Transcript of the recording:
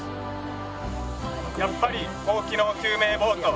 やっぱり高機能救命ボート